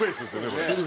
これ。